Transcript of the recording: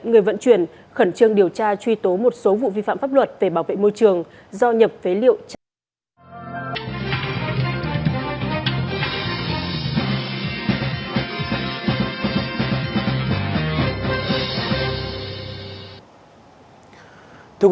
người vận chuyển khẩn trương điều tra truy tố một số vụ vi phạm pháp luật về bảo vệ môi trường do nhập phế liệu